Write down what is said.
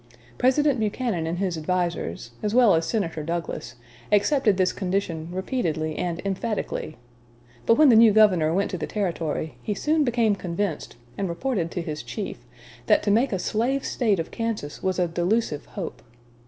President Buchanan and his advisers, as well as Senator Douglas, accepted this condition repeatedly and emphatically. But when the new governor went to the Territory, he soon became convinced, and reported to his chief, that to make a slave State of Kansas was a delusive hope.